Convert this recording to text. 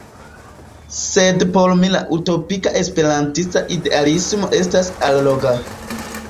Sed por mi la utopia esperantista idealismo estas alloga.